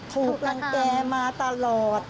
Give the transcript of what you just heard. ถูกรังแก่มาตลอด